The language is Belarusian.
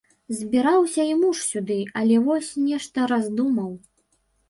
Збіраўся і муж сюды, але вось, нешта раздумаў.